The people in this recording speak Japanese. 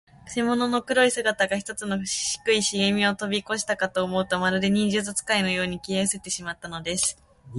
くせ者の黒い姿が、ひとつの低いしげみをとびこしたかと思うと、まるで、忍術使いのように、消えうせてしまったのです。